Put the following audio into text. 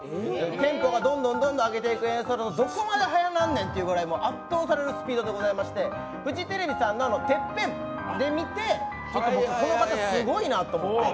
テンポをどんどん上げていく演奏は圧倒されるスピードでございましてフジテレビさんの「ＴＥＰＰＥＮ」で見て、この方すごいなと思って。